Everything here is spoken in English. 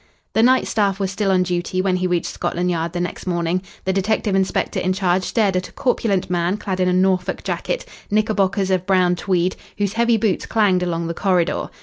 The night staff was still on duty when he reached Scotland Yard the next morning. The detective inspector in charge stared at a corpulent man clad in a Norfolk jacket, knickerbockers of brown tweed, whose heavy boots clanged along the corridor.